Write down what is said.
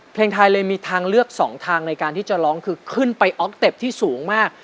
เพลงไทยเลยมีทางเลือกสองทางในการที่จะร้องคือขึ้นไปออกเต็ปที่สูงมาก